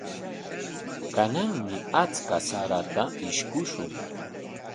Kananmi achka sarata ishkushun.